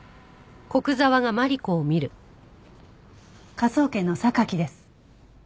科捜研の榊です。